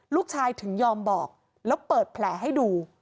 ลูกชายถึงยอมบอกแล้วเปิดแผลให้ดู